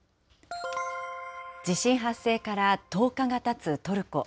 地震発生から１０日がたつトルコ。